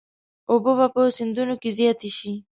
اوبه به په سیندونو کې زیاتې شي.